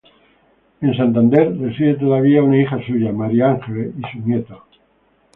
En Santander reside todavía una hija suya, María Ángeles, y sus nietos.